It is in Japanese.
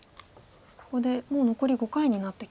ここでもう残り５回になってきましたね。